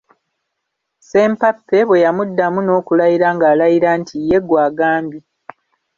Sempappe bwe yamuddamu n'okulayira ng'alayira nti ye gw'agambye.